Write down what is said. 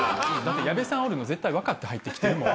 矢部さんおるの絶対分かって入ってきてる。